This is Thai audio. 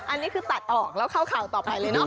อันนี้คือตัดออกแล้วเข้าข่าวต่อไปเลยเนาะ